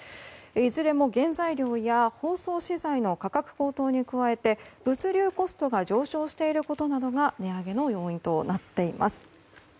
いずれも原材料や包装資材の価格高騰に加えて物流コストが上昇していることなどが値上げの要因となっています。